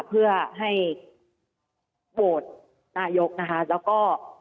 เพื่อให้โหวตนายกนะคะแล้วก็